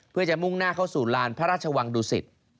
เพื่อจะมุ่งหน้าเข้าสู่ลานพระราชวังดุสิต